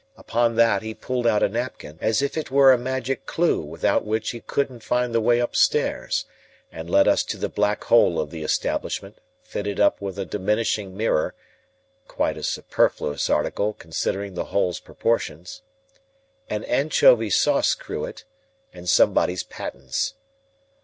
Upon that, he pulled out a napkin, as if it were a magic clue without which he couldn't find the way upstairs, and led us to the black hole of the establishment, fitted up with a diminishing mirror (quite a superfluous article, considering the hole's proportions), an anchovy sauce cruet, and somebody's pattens.